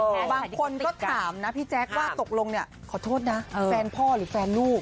บางคนก็ถามนะพี่แจ๊คว่าตกลงเนี่ยขอโทษนะแฟนพ่อหรือแฟนลูก